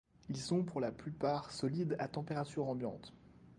Ils sont pour la plupart solides à température ambiante.